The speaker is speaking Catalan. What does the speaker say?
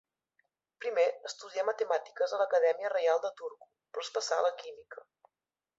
Primer estudià matemàtiques a l'Acadèmia Reial de Turku però es passà a la química.